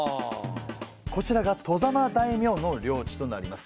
こちらが外様大名の領地となります。